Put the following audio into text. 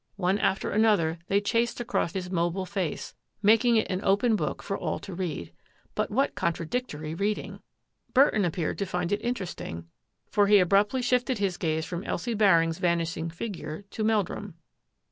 One after another they chased across his mobile face, making it an open book for all to read. But what contradictory reading ! Burton appeared to find it interesting, for he abruptly shifted his gaze from Elsie Baring^s vanishing figure to Meldrum.